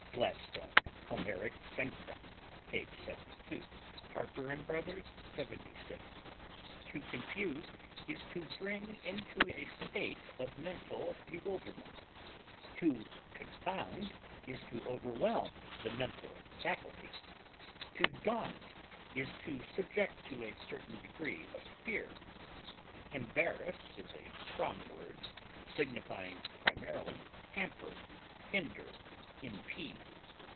GLADSTONE Homeric Synchron., p. 72. [H. '76.] To confuse is to bring into a state of mental bewilderment; to confound is to overwhelm the mental faculties; to daunt is to subject to a certain degree of fear. Embarrass is a strong word, signifying primarily hamper, hinder, impede.